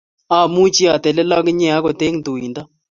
Amuchi atelel akinye akot eng tuindo